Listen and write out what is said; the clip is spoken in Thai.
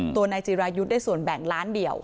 ตัวนายจิรายุทธ์ได้ส่วนแบ่งล้านเดียว